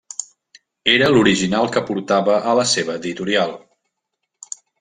Era l'original que portava a la seva editorial.